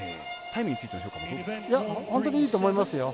タイムについての評価は本当にいいと思いますよ。